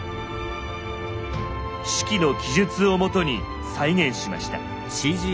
「史記」の記述をもとに再現しました。